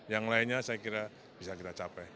yang lainnya saya kira bisa kita capai